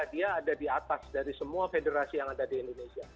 dia ada di atas dari semua federasi yang ada di indonesia